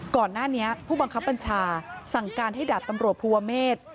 ก่อนหน้านี้ผู้บังคับบัญชาสั่งการให้ดาบตำรวจภูวะเมษ